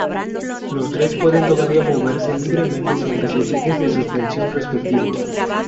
Los tres pueden todavía moverse libremente sobre sus ejes de suspensión respectivos.